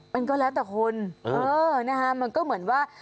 มันก็แล้วแต่คนมันก็เหมือนว่า